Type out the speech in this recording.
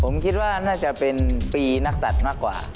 ผมคิดว่าน่าจะเป็นปีนักศัตริย์มากกว่า